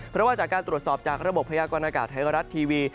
เพราะว่าจากการตรวจสอบจากระบบพยากรณากาศไทยรัฐทีวี